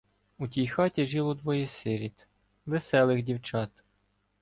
У тій хаті жило двоє сиріт — "веселих" дівчат.